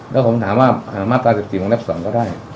แล้วผมถามว่ามาตรา๑๔วงเล็บ๒ก็ได้